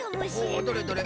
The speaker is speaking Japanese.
おっどれどれ？